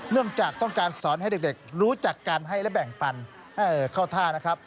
เนื่องจากต้องการสอนให้เด็กรู้จักการให้และแบ่งปันเข้าท่านะครับ